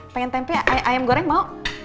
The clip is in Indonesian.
pengen tempe ayam goreng mau